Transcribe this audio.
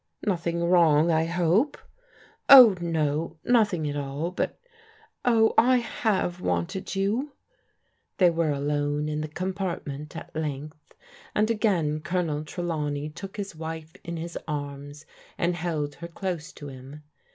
" Nothing wrong, I hope? " "Oh, no, nothing at all. But — oh, I have wanted you!" They were alone in. the compartment at length, and again Colonel Trelawney took his wife in his arms, and held her close to him.